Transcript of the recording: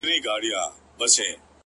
نه مي د چا پر زنكون خوب كړيدى.!